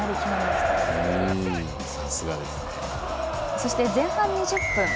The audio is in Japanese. そして、前半２０分。